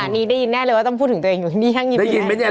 อ่ะนี้ได้ยินแน่เลยว่าต้องพูดถึงตัวเองอยู่นี่ห้างยี้นแน่ได้ยินไหมนี่